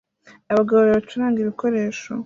Abagabo babiri bacuranga ibikoresho